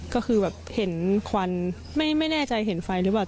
ก็คือแบบเห็นควันไม่แน่ใจเห็นไฟหรือเปล่า